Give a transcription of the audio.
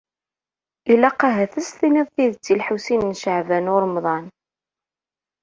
Ilaq ahat ad s-tiniḍ tidet i Lḥusin n Caɛban u Ṛemḍan.